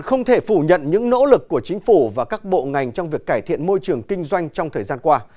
không thể phủ nhận những nỗ lực của chính phủ và các bộ ngành trong việc cải thiện môi trường kinh doanh trong thời gian qua